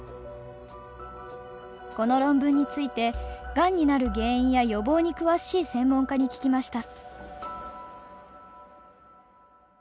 この論文についてがんになる原因や予防に詳しい専門家に聞きました。